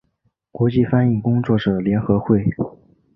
国际翻译工作者联合会